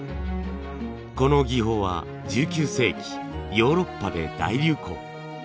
この技法は１９世紀ヨーロッパで大流行。